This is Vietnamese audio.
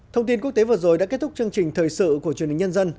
thông tin quốc tế vừa rồi đã kết thúc chương trình thời sự của truyền hình nhân dân